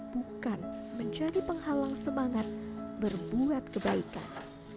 bukan menjadi penghalang semangat berbuat kebaikan